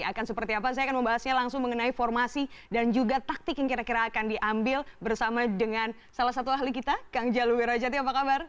akan seperti apa saya akan membahasnya langsung mengenai formasi dan juga taktik yang kira kira akan diambil bersama dengan salah satu ahli kita kang jalu wirajati apa kabar